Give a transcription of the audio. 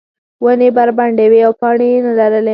ونې بربنډې وې او پاڼې یې نه لرلې.